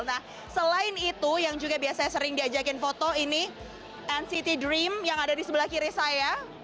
nah selain itu yang juga biasanya sering diajakin foto ini nct dream yang ada di sebelah kiri saya